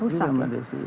rusak juga mbak desi